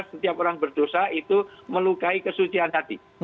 setiap orang berdosa itu melukai kesucian hati